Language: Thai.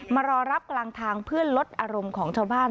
มารอรับกลางทางเพื่อลดอารมณ์ของชาวบ้าน